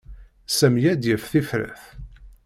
Sami ad d-yaf tifrat.